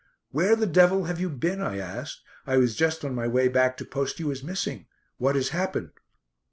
"Where the devil have you been?" I asked. "I was just on my way back to post you as missing. What has happened?"